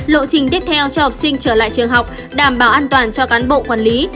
lộ trình tiếp theo cho học sinh trở lại trường học đảm bảo an toàn cho cán bộ quản lý